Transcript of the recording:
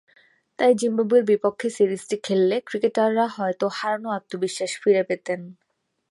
তাই জিম্বাবুয়ের বিপক্ষে সিরিজটি খেললে ক্রিকেটাররা হয়তো হারানো আত্মবিশ্বাস ফিরে পেতেন।